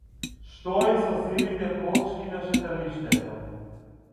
Што е со сивите плочки на шеталиштето?